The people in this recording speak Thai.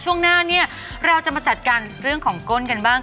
ช่วงหน้าเนี่ยเราจะมาจัดการเรื่องของก้นกันบ้าง